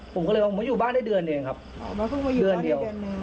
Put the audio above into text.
ผมต้องอยู่บ้านได้เดือนเดียว